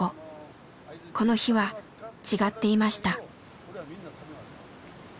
この日は違っていました。